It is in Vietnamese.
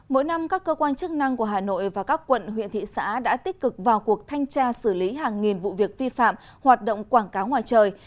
mỗi năm các cơ quan chức năng của hà nội và các quận huyện thị xã đã tích cực vào cuộc thanh tra xử lý hàng nghìn vụ việc vi phạm hoạt động quảng cáo ngoài trời